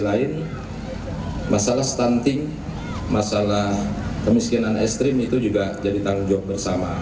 selain masalah stunting masalah kemiskinan ekstrim itu juga jadi tanggung jawab bersama